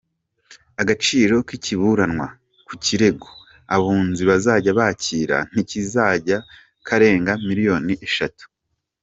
Agaciro k’ikiburanwa ku kirego Abunzi bazajya bakira ntikazajya karenga miliyoni eshatu.